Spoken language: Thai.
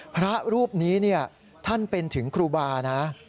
พระรูปนี้ท่านเป็นถึงครูบานะ